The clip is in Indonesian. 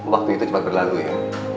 waktu itu cepat berlalu ya